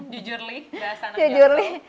jujurly bahasa nangis